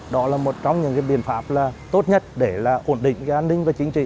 đó là một trong những biện pháp tốt nhất để ổn định an ninh và chính trị